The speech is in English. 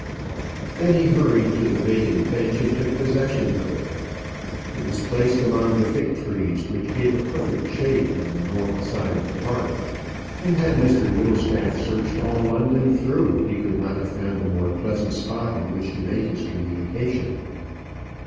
Then he hurried to the vacant bench and took possession of it. It was placed among the thick trees which give a perfect shade on the north side of the Park, and had Mr Whittlestaff searched all London through, he could not have found a more pleasant spot in which to make his communication.